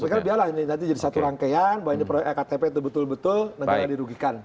saya kira biarlah ini nanti jadi satu rangkaian bahwa ini proyek ektp itu betul betul negara dirugikan